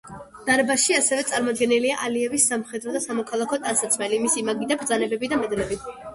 დარბაზში ასევე წარმოდგენილია ალიევის სამხედრო და სამოქალაქო ტანსაცმელი, მისი მაგიდა, ბრძანებები და მედლები.